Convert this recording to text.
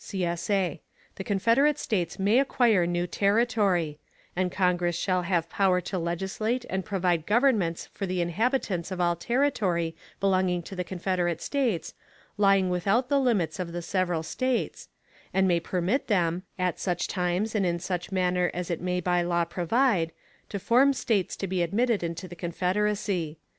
[CSA] _The Confederate States may acquire new territory; and Congress shall have power to legislate and provide governments for the inhabitants of all territory belonging to the Confederate States, lying without the limits of the several States; and may permit them, at such times and in such manner as it may by law provide, to form States to be admitted into the Confederacy.